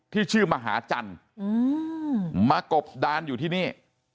ชื่อมหาจันทร์มากบดานอยู่ที่นี่